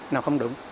nó không đúng